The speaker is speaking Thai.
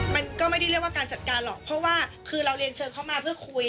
มันก็ไม่ได้เรียกว่าการจัดการหรอกเพราะว่าคือเราเรียนเชิญเขามาเพื่อคุย